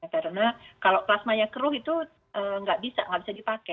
karena kalau plasmanya keruh itu nggak bisa nggak bisa dipakai